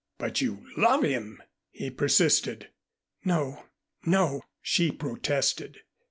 "But you love him," he persisted. "No, no," she protested.